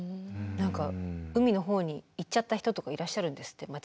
何か海の方に行っちゃった人とかいらっしゃるんですって。